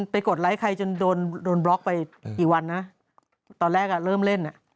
กดไลค์ใครจนโดนบล็อกไปกี่วันนะตอนแรกอ่ะเริ่มเล่นอ่ะ